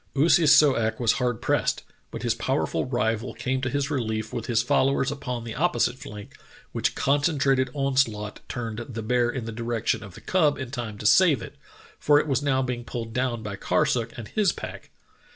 Oo si so ak was hard pressed, but his powerful rival came to his relief with his followers upon the opposite flank, which concentrated onslaught turned the bear in the direction of the cub in time to save it, for it was now being pulled down by Karsuk and his pack.